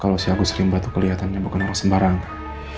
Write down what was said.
kalo si agus rimba tuh keliatannya bukan orang sembarangan